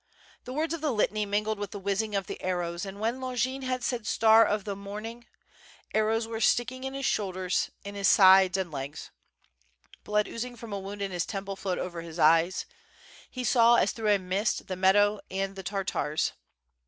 The words of the litany mingled with the whizzing of the arrows and when Longin had said "Star of the morning" arrows were sticking in his shoulders, in his sides, and legs. Blood oozing from a wound in his temple flowed over his eyes; he saw as through a mist, the meadow, and the Tartars.